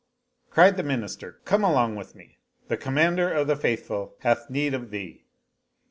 Cried the Minister, " Come along with me ; the Commander of the Faithful hath need of thee."